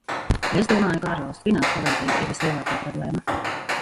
Es domāju, ka ārvalstu finanšu palīdzība ir vislielākā problēma.